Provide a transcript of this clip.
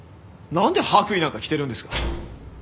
なんで白衣なんか着てるんですか？